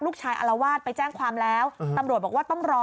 อารวาสไปแจ้งความแล้วตำรวจบอกว่าต้องรอ